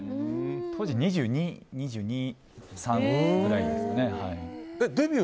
当時２２、２３くらいですね。